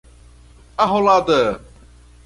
arrolada